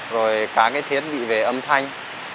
rồi các cái thiết bị về âm thanh